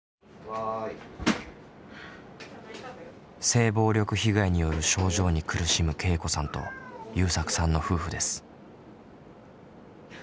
性暴力被害による症状に苦しむけいこさんとゆうさくさんの夫婦です。